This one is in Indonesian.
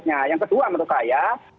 yang kedua menurut saya